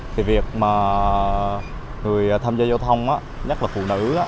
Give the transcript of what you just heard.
thì việc mà người tham gia giao thông nhất là phụ nữ